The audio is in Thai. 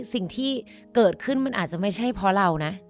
สิ่งที่เกิดขึ้นมันอาจจะไม่ใช่เพราะเรานะ